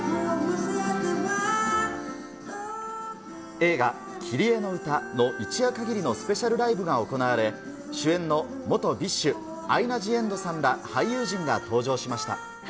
映画、キリエのうたの一夜限りのスペシャルライブが行われ、主演の元ＢｉＳＨ、アイナ・ジ・エンドさんら俳優陣が登場しました。